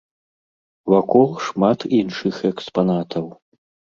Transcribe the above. Вакол шмат іншых экспанатаў.